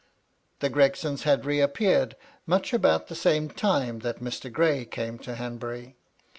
The Gregsons had reappeared much about the same time that Mr. Gray came to Hanbury.